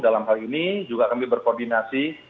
dalam hal ini juga kami berkoordinasi